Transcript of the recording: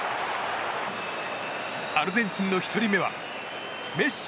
アルゼンチンの１人目はメッシ。